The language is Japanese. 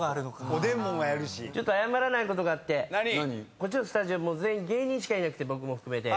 こっちのスタジオ全員芸人しかいなくて僕も含めて。